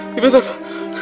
ini betul pak